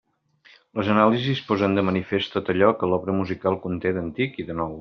Les anàlisis posen de manifest tot allò que l'obra musical conté d'antic i de nou.